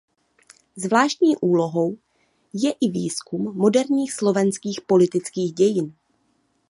Zvláštní úlohou je i výzkum moderních slovenských politických dějin.